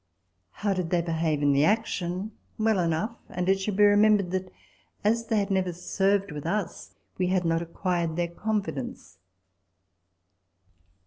How did they behave in the action ? Well enough ; and it should be remembered that, as they had never served with us, we had not acquired their confidence.